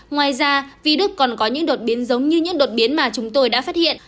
ngoài ra virus còn có những đột biến giống như những đột biến mà chúng tôi đã phát hiện